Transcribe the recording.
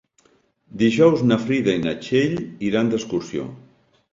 Dijous na Frida i na Txell iran d'excursió.